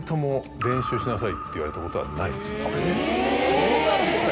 そうなんですか。